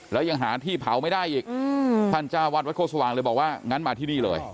แล้วยังหาที่เผาไม่ได้อีกท่านจ้าวัดวัดโคสว่างเลยบอกว่างั้นมาที่นี่เลย